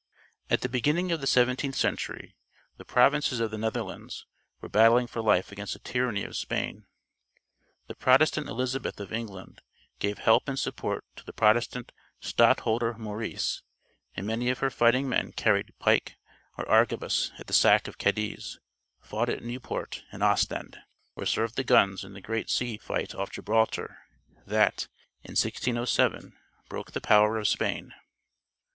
At the beginning of the seventeenth century the provinces of the Netherlands were battling for life against the tyranny of Spain. The Protestant Elizabeth of England gave help and support to the Protestant Stadtholder Maurice, and many of her fighting men carried pike or arquebus at the sack of Cadiz, fought at Nieuport and Ostend, or served the guns in the great sea fight off Gibraltar that, in 1607, broke the power of Spain.